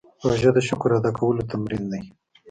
روژه د شکر ادا کولو تمرین دی.